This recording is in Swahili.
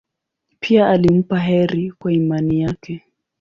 Pia alimpa heri kwa imani yake.